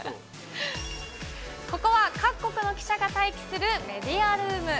ここは各国の記者が待機するメディアルーム。